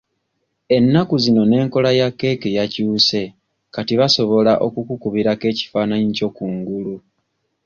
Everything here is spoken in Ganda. Ennaku zino n'enkola ya keeki yakyuse kati basobola n'okukukubirako ekifaananyi kyo ku ngulu.